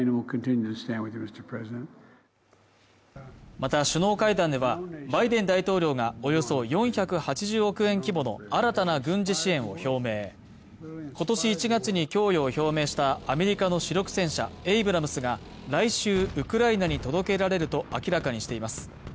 また首脳会談ではバイデン大統領がおよそ４８０億円規模の新たな軍事支援を表明今年１月に供与を表明したアメリカの主力戦車エイブラムスが来週ウクライナに届けられると明らかにしています